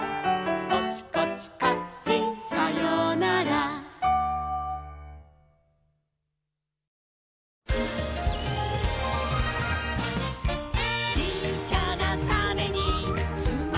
「コチコチカッチンさようなら」「ちっちゃなタネにつまってるんだ」